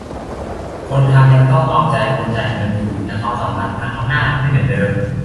คนทำยังต้อง "เอาใจ" คนจ่ายเงินอยู่ แต่ความสัมพันธ์ทางอำนาจมันไม่เหมือนเดิม